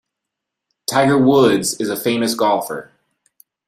Tiger Woods is a famous golfer.